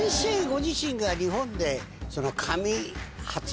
ご自身が日本で。